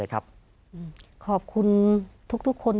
ขอบคุณทุกคน